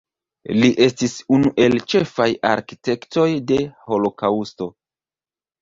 Li estis unu el ĉefaj arkitektoj de holokaŭsto.